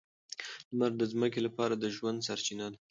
لمر د ځمکې لپاره د ژوند سرچینه ده.